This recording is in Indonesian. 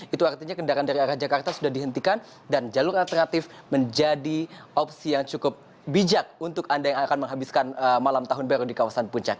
itu artinya kendaraan dari arah jakarta sudah dihentikan dan jalur alternatif menjadi opsi yang cukup bijak untuk anda yang akan menghabiskan malam tahun baru di kawasan puncak